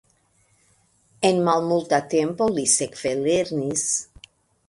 En malmulta tempo li sekve lernis.